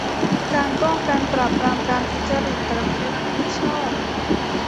การป้องกัน ปราบปรามการทุจริตประพฤติมิชอบ